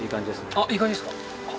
あっいい感じですか？